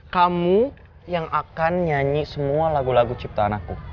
kamu yang akan nyanyi semua lagu lagu ciptaan aku